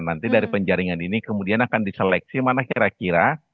nanti dari penjaringan ini kemudian akan diseleksi mana kira kira